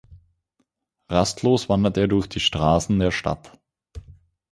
Rastlos wandert er durch die Straßen der Stadt.